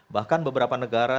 bahkan beberapa negara